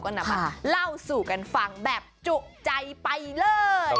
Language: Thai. ก็นำมาเล่าสู่กันฟังแบบจุใจไปเลย